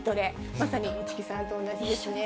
まさに市來さんと同じですね。